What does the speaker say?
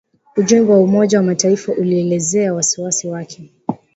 Ujumbe wa Umoja wa Mataifa ulielezea wasiwasi wake